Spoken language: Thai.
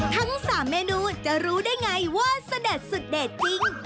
ทั้ง๓เมนูจะรู้ได้ไงว่าเสด็จสุดเด็ดจริง